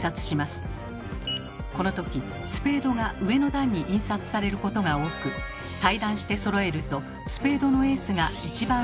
このときスペードが上の段に印刷されることが多く裁断してそろえるとスペードのエースが一番上になりやすかったのです。